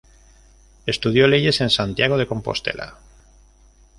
Estudió leyes en Santiago de Compostela.